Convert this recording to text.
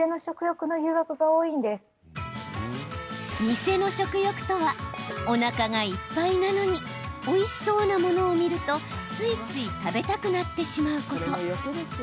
偽の食欲とはおなかがいっぱいなのにおいしそうなものを見るとついつい食べたくなってしまうこと。